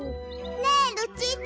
ねえルチータ。